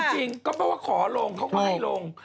จริงก็เพราะว่าขอลงเขาก็ให้ลง